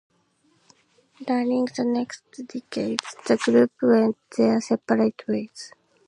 During the next decade, the group went their separate ways.